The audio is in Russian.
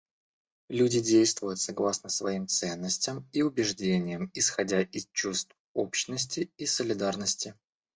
Люди действуют согласно своим ценностям и убеждениям, исходя из чувства общности и солидарности.